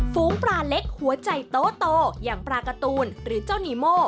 ฝูงปลาเล็กหัวใจโตอย่างปลาการ์ตูนหรือเจ้านีโม่